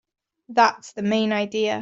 That's the main idea.